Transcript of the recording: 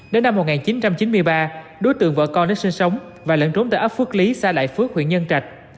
đến năm một nghìn chín trăm chín mươi ba đối tượng vợ con đã sinh sống và lẫn trốn tại ấp phước lý xã đại phước huyện nhân trạch